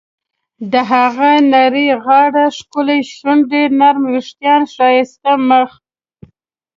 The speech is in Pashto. د هغې نرۍ غاړه، ښکلې شونډې ، نرم ویښتان، ښایسته مخ..